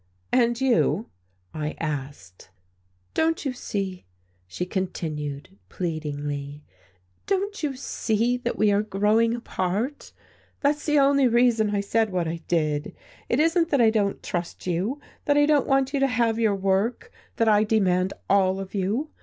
"And you?" I asked. "Don't you see," she continued pleadingly, "don't you see that we are growing apart? That's the only reason I said what I did. It isn't that I don't trust you, that I don't want you to have your work, that I demand all of you.